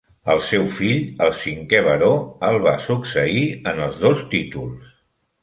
El seu fill, el cinquè baró, el va ser succeir en els dos títols.